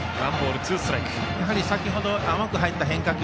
やはり先ほど甘く入った変化球。